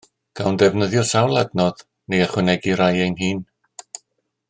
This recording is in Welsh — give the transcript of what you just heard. Cawn ddefnyddio sawl adnodd neu ychwanegu rhai ein hun